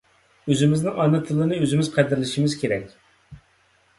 ئۆزىمىزنىڭ ئانا تىلىنى ئۆزىمىز قەدىرلىشىمىز كېرەك.